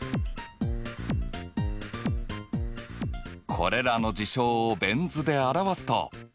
これらの事象をベン図で表すと。